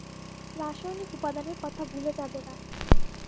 রাসায়নিক উপাদানের কথা ভুলে যাবে না।